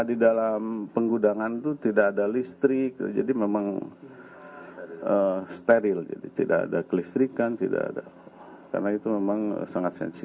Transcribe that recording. di dalam penggunaan itu tidak ada listrik jadi memang steril jadi tidak ada kelistrikan tidak ada karena itu memang sangat sensitif